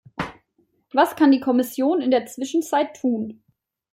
Was kann die Kommission in der Zwischenzeit tun?